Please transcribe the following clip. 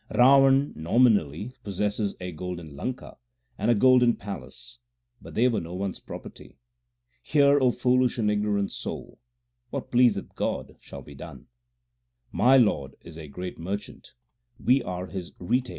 Rawan nominally possessed a golden Lanka and a golden palace, but they were no one s property. Hear, O foolish and ignorant soul : What pleaseth God shall be done. My Lord is a great Merchant, we are His retail dealers.